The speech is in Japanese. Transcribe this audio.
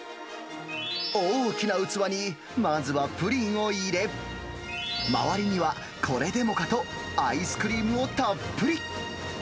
大きな器にまずはプリンを入れ、周りには、これでもかとアイスクリームをたっぷり。